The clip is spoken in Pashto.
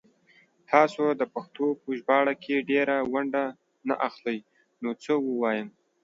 تاسو دا پښتو په ژباړه کې ډيره ونډه نه اخلئ نو څه ووايم